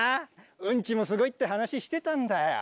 ウンチもすごいって話してたんだよ。